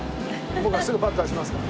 僕がすぐバッと出しますから。